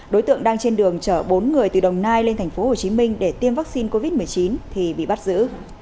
đối tượng đang trên đường chở bốn người từ đồng nai lên tp hcm để tiêm vaccine covid một mươi chín thì bị bắt giữ